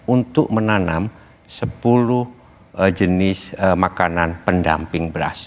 untuk menanam sepuluh jenis makanan pendamping beras